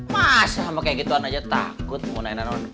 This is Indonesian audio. masa sama kayak gituan aja takut mau naik